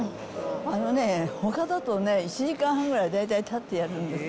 あのね、ほかだとね、１時間半ぐらい、大体立ってやるんです。